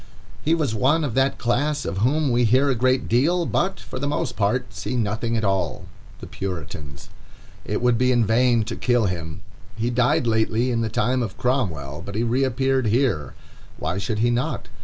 He was one of that class of whom we hear a great deal, but, for the most part, see nothing at all—the Puritans. It would be in vain to kill him. He died lately in the time of Cromwell, but he reappeared here. Why should he not?